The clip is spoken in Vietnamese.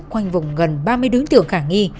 khoanh vùng gần ba mươi đối tượng khả nghi